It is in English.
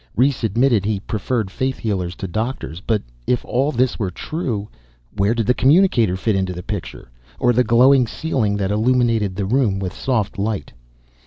Rhes admitted he preferred faith healers to doctors. But, if all this were true, where did the communicator fit into the picture? Or the glowing ceiling that illuminated the room with a soft light?